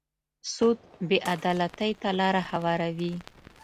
سود بې عدالتۍ ته لاره هواروي.